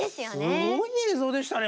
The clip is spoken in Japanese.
すごい映像でしたね